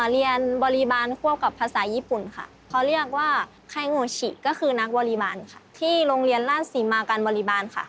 เรียนบริบาลควบกับภาษาญี่ปุ่นค่ะเขาเรียกว่าไข้โงชิก็คือนักบริมารค่ะที่โรงเรียนราชศรีมาการบริบาลค่ะ